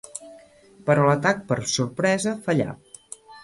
Però l'atac per sorpresa fallà